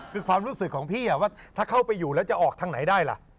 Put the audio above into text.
คือความรู้สึกของพี่ว่าถ้าเข้าไปอยู่แล้วจะออกทางไหนได้ล่ะ